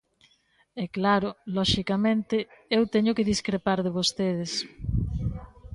E, claro, loxicamente, eu teño que discrepar de vostedes.